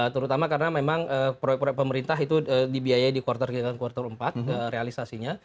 terutama karena memang proyek proyek pemerintah itu dibiayai di kuartal kuartal empat realisasinya